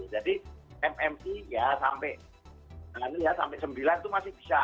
jadi mmi ya sampai sembilan itu masih bisa